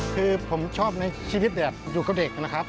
คือผมชอบในชีวิตแบบอยู่กับเด็กนะครับ